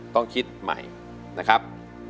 ต้องคิดใหม่นะครับ